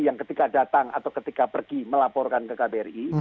yang ketika datang atau ketika pergi melaporkan ke kbri